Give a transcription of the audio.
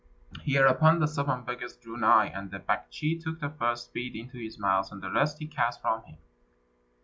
Hereupon the seven beggars drew nigh, and the Baktschi took the first bead into his mouth and the rest he cast from him.